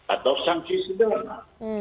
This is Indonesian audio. atau sanksi sederhana